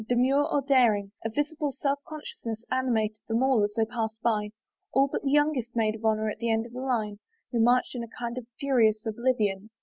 Demure or daring, a visible self consciousness animated them all as they passed by, all but the youngest maid of honor at the end of the line, who marched in a kind of furious oblivion.